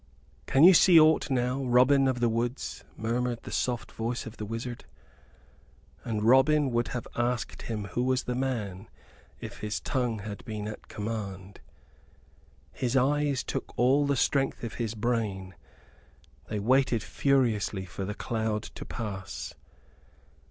"Can you see aught now, Robin of the Woods?" murmured the soft voice of the wizard, and Robin would have asked him who was the man, if his tongue had been at command. His eyes took all the strength of his brain. They waited furiously for the cloud to pass.